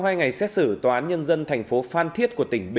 tuy nhiên tòa án nhân dân tp phan thiết